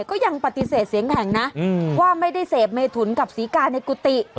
ก็ยังปฏิเสธเสียงแข็งนะว่าไม่ได้เสพเมถุนกับศรีกาในกุฏิ